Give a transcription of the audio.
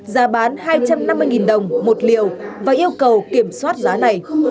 giá bán hai trăm năm mươi đồng một liều và yêu cầu kiểm soát giá này